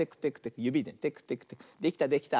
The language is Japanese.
できたできた。